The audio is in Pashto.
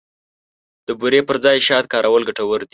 د بوري پر ځای شات کارول ګټور دي.